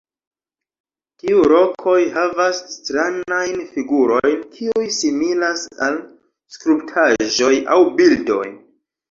Tiu rokoj havas stranajn figurojn kiuj similas al skulptaĵoj aŭ bildoj.